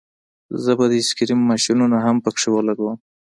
زه به د آیس کریم ماشینونه هم پکې ولګوم